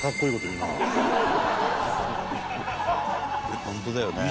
本当だよね。